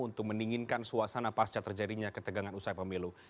untuk mendinginkan suasana pasca terjadinya ketegangan usai pemilu